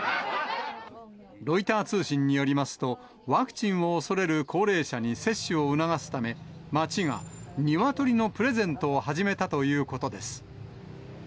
ロイター通信によりますと、ワクチンを恐れる高齢者に接種を促すため、町が鶏のプレゼントを始めたということです。